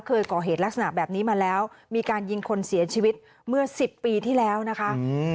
เคยก่อเหตุลักษณะแบบนี้มาแล้วมีการยิงคนเสียชีวิตเมื่อสิบปีที่แล้วนะคะ